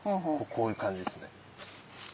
こういう感じですね。